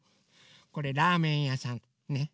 これラーメンやさんね！